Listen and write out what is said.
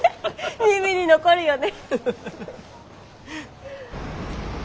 耳に残るよね。